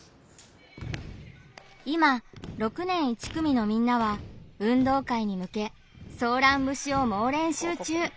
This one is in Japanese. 今６年１組のみんなは運動会に向けソーラン節を猛練習中。